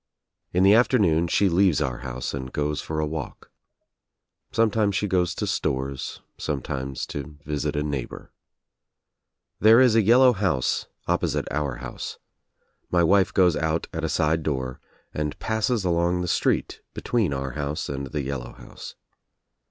In the afternoon she leaves our house and goes for a walk. Sometimes she goes to stores, sometimes to visit a neighbor. There is a yellow house opposite our house. My wife goes out at a side door and passes along the street between our house and the yellow house.